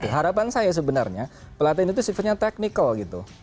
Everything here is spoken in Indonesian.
harapan saya sebenarnya pelatihan itu sifatnya technical gitu